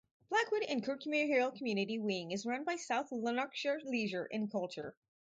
Blackwood and Kirkmuirhill Community Wing is run by South Lanarkshire Leisure and Culture.